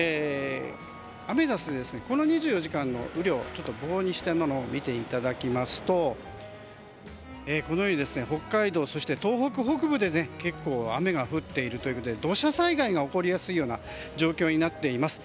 アメダスでこの２４時間の雨量を棒にしたものを見ていただきますとこのように北海道そして東北北部で結構雨が降っていて土砂災害が起こりやすい状況になっています。